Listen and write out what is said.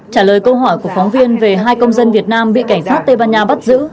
trả lời câu hỏi của phóng viên về hai công dân việt nam bị cảnh sát tây ban nha bắt giữ